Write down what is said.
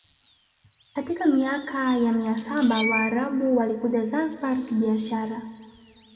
Katika miaka ya mia saba Waarabu walikuja Zanzibar kibiashara